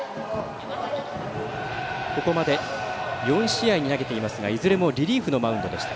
ここまで４試合、投げていますがいずれもリリーフのマウンドでした。